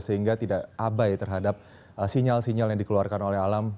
sehingga tidak abai terhadap sinyal sinyal yang dikeluarkan oleh alam